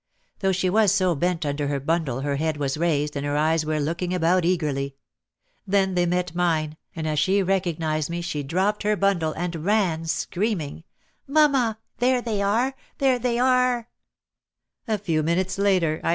Though she was so bent under her bundle her head was raised and her eyes were looking about eagerly. Then they met mine, and as she recognised me she dropped her bundle and ran screaming, "Mamma, there they are!